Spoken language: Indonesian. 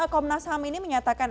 komnas ham ini menyatakan